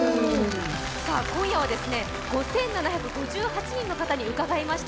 今夜は５７８２人の方に伺いました。